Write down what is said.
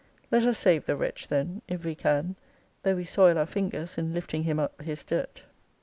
Let us save the wretch then, if we can, though we soil our fingers in lifting him up his dirt.